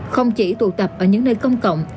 không chỉ tụ tập ở những nơi công cộng